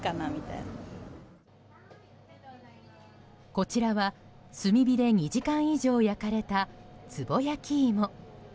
こちらは炭火で２時間以上焼かれたつぼ焼き芋。